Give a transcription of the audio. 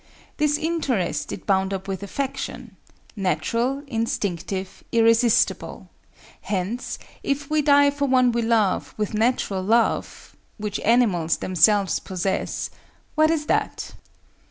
This interest it bound up with affection—natural, instinctive, irresistible; hence, if we die for one we love with natural love (which animals themselves possess), what is that?